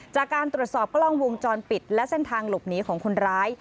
จากการตรวจสอบกล้องวงจรปิดและเส้นทางหลบหนีของคนร้าย